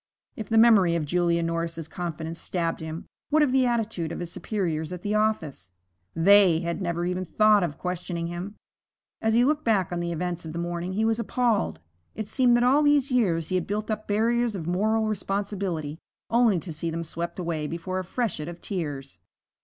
If the memory of Julia Norris's confidence stabbed him, what of the attitude of his superiors at the office? They had never even thought of questioning him. As he looked back on the events of the morning he was appalled. It seemed that all these years he had built up barriers of moral responsibility only to see them swept away before a freshet of fears.